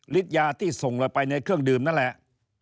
ยาที่ส่งลงไปในเครื่องดื่มนั่นแหละ